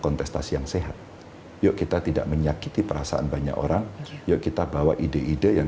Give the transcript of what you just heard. kontestasi yang sehat yuk kita tidak menyakiti perasaan banyak orang yuk kita bawa ide ide yang